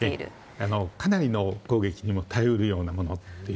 かなりの攻撃にも耐えられるようなものという。